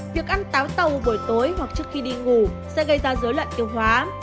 việc ăn táo tàu buổi tối hoặc trước khi đi ngủ sẽ gây ra dối loạn tiêu hóa